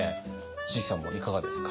椎木さんもいかがですか？